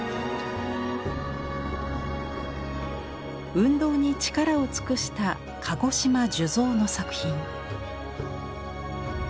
運動に力を尽くした鹿児島寿蔵の作品。